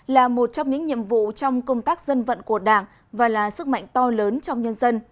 là một trong những nhiệm vụ trong công tác dân vận của đảng và là sức mạnh to lớn trong nhân dân